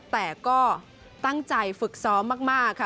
แต่ก็ตั้งใจฝึกซ้อมมากค่ะ